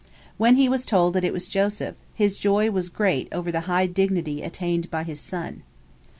When he was told that it was Joseph, his joy was great over the high dignity attained by his son.